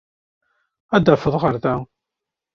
Adef-d ɣer da!